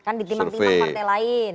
kan ditiman timan partai lain